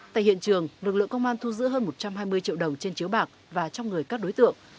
tại hiện trường lực lượng công an thu giữ hơn một trăm hai mươi triệu đồng trên chiếu bạc và trong người các đối tượng